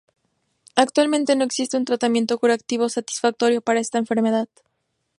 Actualmente, no existe un tratamiento curativo satisfactorio para esta enfermedad.